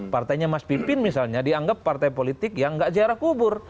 partainya mas pipin misalnya dianggap partai politik yang gak ziarah kubur